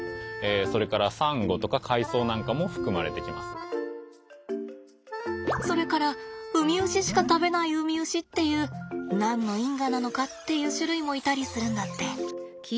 具体的にはそれからウミウシしか食べないウミウシっていう何の因果なのかっていう種類もいたりするんだって。